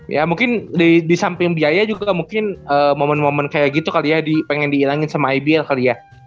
ya mungkin di samping biaya juga mungkin momen momen kayak gitu kali ya pengen dihilangin sama ibl kali ya